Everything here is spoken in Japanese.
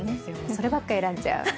そればっか選んじゃう。